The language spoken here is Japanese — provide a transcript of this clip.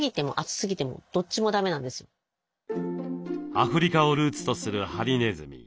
アフリカをルーツとするハリネズミ。